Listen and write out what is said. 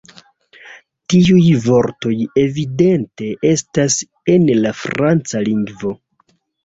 Tiuj vortoj evidente estas en la franca lingvo.